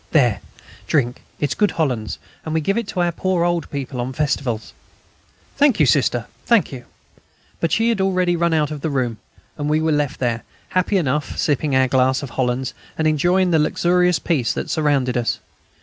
"There, drink. It's good Hollands, ... and we give it to our poor old people on festivals." "Thank you. Sister, thank you." But she had already run out of the room, and we were left there, happy enough, sipping our glass of Hollands, and enjoying the luxurious peace that surrounded us.